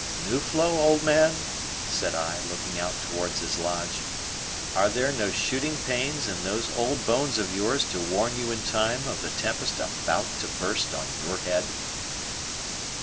"Nuflo, old man," said I, looking out towards his lodge, "are there no shooting pains in those old bones of yours to warn you in time of the tempest about to burst on your head?"